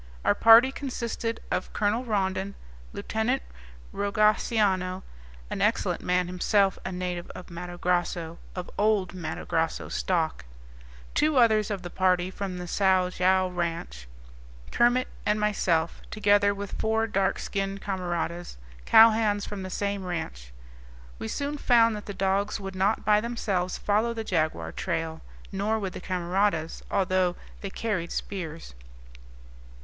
Our party consisted of Colonel Rondon, Lieutenant Rogaciano an excellent man, himself a native of Matto Grosso, of old Matto Grosso stock two others of the party from the Sao Joao ranch, Kermit, and myself, together with four dark skinned camaradas, cowhands from the same ranch. We soon found that the dogs would not by themselves follow the jaguar trail; nor would the camaradas, although they carried spears.